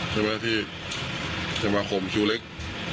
ใช่ไหมที่สมาคมคิวเล็ก